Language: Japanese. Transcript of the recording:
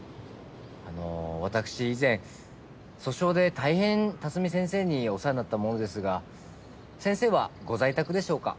あの私以前訴訟で大変辰巳先生にお世話になった者ですが先生はご在宅でしょうか？